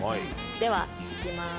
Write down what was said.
では行きます。